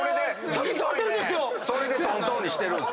それでトントンにしてるんです。